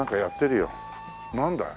なんだい？